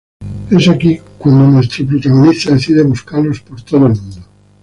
Es aquí cuando nuestro protagonista decide buscarlos por todo el mundo.